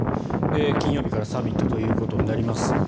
金曜日からサミットということになります。